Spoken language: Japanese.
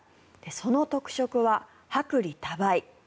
その特色は薄利多売。